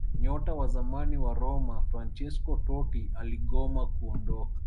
Nyota wa zamani wa Roma Fransesco Totti aligoma kuondoka